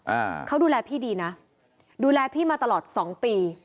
อ่าเขาดูแลพี่ดีนะดูแลพี่มาตลอดสองปี